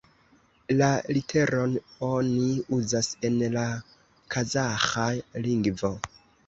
La literon oni uzas en la Kazaĥa lingvo.